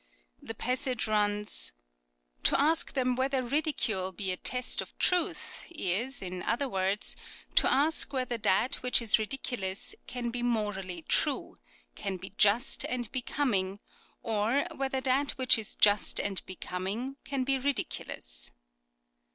The passage runs :" To aSk them whether ridicule be a test of truth is, in other words, to ask whether that which is ridiculous can be morally true, can be just and becoming, or whether that which is just and becoming can be ridiculous."